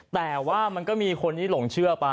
แต่อื้อ